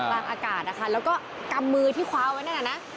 กลางอากาศนะคะแล้วก็กำมือที่คว้าไว้นั่นน่ะนะ